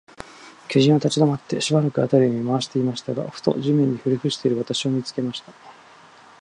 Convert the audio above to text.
巨人は立ちどまって、しばらく、あたりを見まわしていましたが、ふと、地面にひれふしている私を、見つけました。